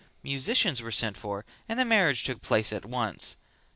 Musicians were sent for and the marriage took place at once.